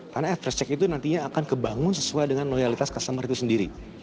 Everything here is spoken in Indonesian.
karena average check itu nantinya akan kebangun sesuai dengan loyalitas customer itu sendiri